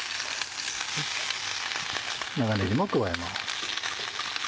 長ねぎも加えます。